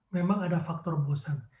memang ada faktor bosan